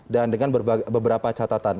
dan dengan beberapa catatan